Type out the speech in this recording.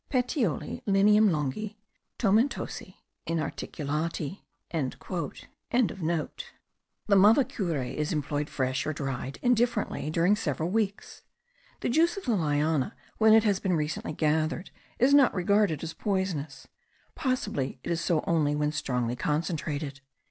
PETIOLI lineam longi, tomentosi, inarticulati.") The mavacure is employed fresh or dried indifferently during several weeks. The juice of the liana, when it has been recently gathered, is not regarded as poisonous; possibly it is so only when strongly concentrated.